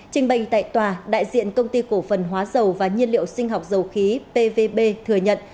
trình bày tại tòa đại diện công ty cổ phần hóa dầu và nhiên liệu sinh học dầu khí pvb thừa nhận